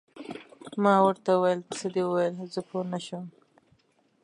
ما ورته وویل: څه دې وویل؟ زه پوه نه شوم.